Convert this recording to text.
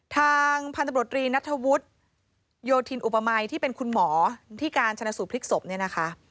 ทางพันธบรินัทธวุฒิโยธินอุปมัยที่เป็นคุณหมอที่การชนะสูตรพลิกศพเนี่ยนะคะ